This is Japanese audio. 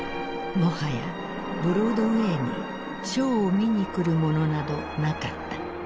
もはやブロードウェイにショーを見に来る者などなかった。